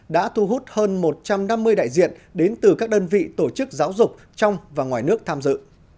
đã thu hút hơn một trăm năm mươi đại diện đến từ các đơn vị tổ chức giáo dục trong và ngoài nước tham dự